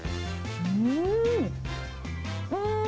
うん！